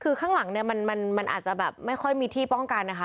คือข้างหลังเนี่ยมันอาจจะแบบไม่ค่อยมีที่ป้องกันนะคะ